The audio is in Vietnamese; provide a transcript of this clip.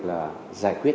là giải quyết